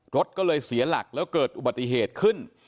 รถก็เลยเสียหลักแล้วเกิดอุบัติเหตุขึ้น